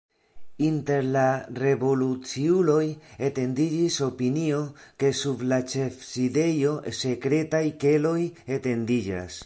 Inter la revoluciuloj etendiĝis opinio, ke sub la ĉefsidejo sekretaj keloj etendiĝas.